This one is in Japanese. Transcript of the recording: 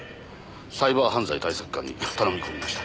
サイバー犯罪対策課に頼み込みました。